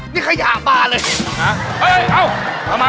มีความรู้สึกว่า